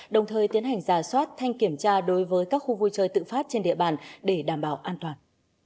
đồng thời tiến hành giả soát thanh kiểm tra đối với các khu vui chơi tự phát trên địa bàn để đảm bảo an toàn